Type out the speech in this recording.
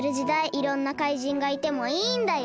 いろんな怪人がいてもいいんだよ。